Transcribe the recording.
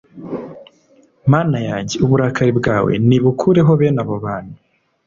Mana yanjye uburakari bwawe nibukureho bene abo bantu